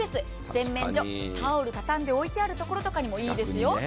洗面所、タオルたたんで置いてあるところとかにもいいですよ。